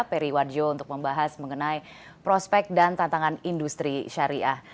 peri warjo untuk membahas mengenai prospek dan tantangan industri syariah